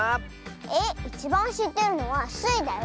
えっいちばんしってるのはスイだよ。